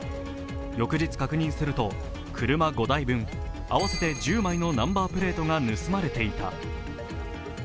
翌日確認すると車５台分、合わせて１０枚のナンバープレートが盗まれていた。